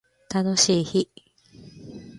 楽しい日